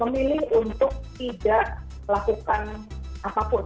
memilih untuk tidak melakukan apapun